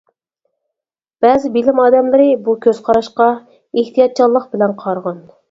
بەزى بىلىم ئادەملىرى بۇ كۆز قاراشقا ئېھتىياتچانلىق بىلەن قارىغان.